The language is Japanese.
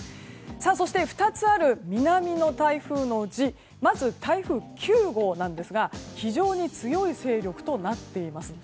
そして２つある南の台風のうちまず、台風９号なんですが非常に強い勢力となっています。